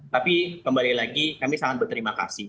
tapi kembali lagi kami sangat berterima kasih